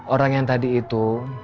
orang yang tadi itu